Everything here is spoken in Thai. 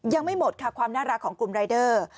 ยังไม่หมดค่ะความน่ารักของกลุ่มรายเดอร์